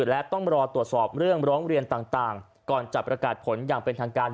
และต้องรอตรวจสอบเรื่องร้องเรียนต่างก่อนจะประกาศผลอย่างเป็นทางการ